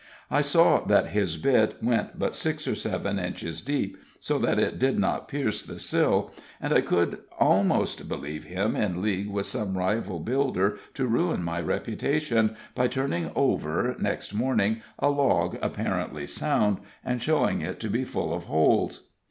I saw that his bit went but six or seven inches deep, so that it did not pierce the sill, and I could almost believe him in league with some rival builder to ruin my reputation by turning over, next morning, a log apparently sound, and showing it to be full of holes.